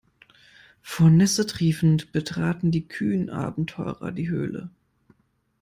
Vor Nässe triefend betraten die kühnen Abenteurer die Höhle.